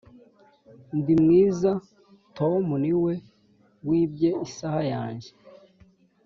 ndi mwiza tom niwe wibye isaha yanjye.